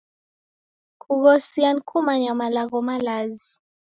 Kughosia ni kumanya malagho malazi.